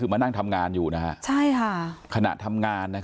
คือมานั่งทำงานอยู่ขณะทำงาน